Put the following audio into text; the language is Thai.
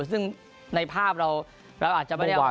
ซึ่งในภาพเราเราอาจจะไม่ได้ออกอากาศ